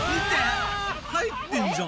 入ってんじゃん！